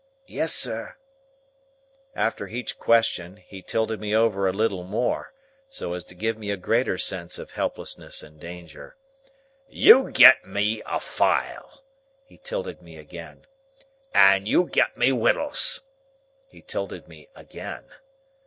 "Yes, sir." After each question he tilted me over a little more, so as to give me a greater sense of helplessness and danger. "You get me a file." He tilted me again. "And you get me wittles." He tilted me again.